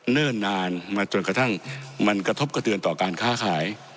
เนิ่นนานมาจนกระทั่งมันกระทบกระเทือนต่อการค้าขาย